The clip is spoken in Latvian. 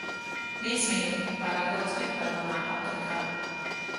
Viesmīli, pārāk daudz piparu manā paprikā.